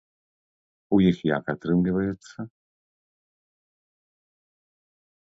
У іх як атрымліваецца?